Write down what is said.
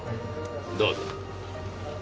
どうぞ。